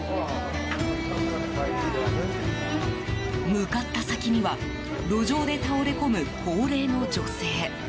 向かった先には路上で倒れ込む高齢の女性。